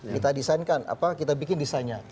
kita desainkan kita bikin desainnya